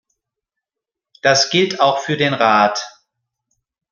Das gilt auch für den Rat.